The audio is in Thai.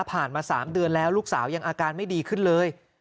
มา๓เดือนแล้วลูกสาวยังอาการไม่ดีขึ้นเลย